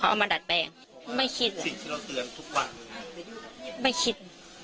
เอามาดัดแปลงไม่คิด